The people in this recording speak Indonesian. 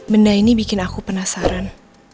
benda ini bikin aku penasaran